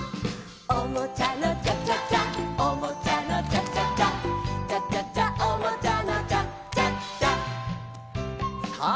「おもちゃのチャチャチャおもちゃのチャチャチャ」「チャチャチャおもちゃのチャチャチャ」さあ